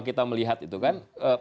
kita melihat itu kan